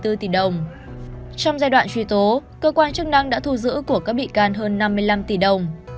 trong giai đoạn truy tố cơ quan chức năng đã thu giữ của các bị can hơn năm mươi năm tỷ đồng